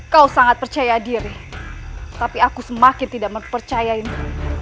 kau sangat percaya diri tapi aku semakin tidak mempercayainya